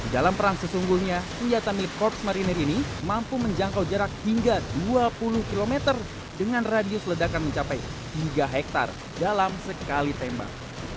dalam perang sesungguhnya senjata milik korps marinir ini mampu menjangkau jarak hingga dua puluh km dengan radius ledakan mencapai tiga hektare dalam sekali tembak